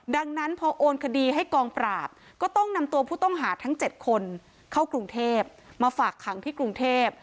ดังนั้นพอโอนคดีให้กองปราบก็ต้องนำตัวผู้ต้องหาทั้ง๗คนเข้ากรุงเทพมาฝากขังที่กรุงเทพ